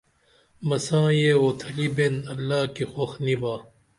مساں یہ اُوتھلی بین اللہ کی خوخ نی با